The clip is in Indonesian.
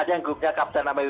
ada yang grupnya iron man